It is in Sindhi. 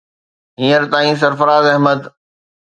هينئر تائين سرفراز احمد